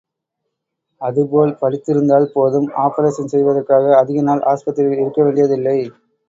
அது போல் படுத்திருந்தால் போதும், ஆப்பரேஷன் செய்ததற்காக அதிக நாள் ஆஸ்பத்திரியில் இருக்கவேண்டியதில்லை.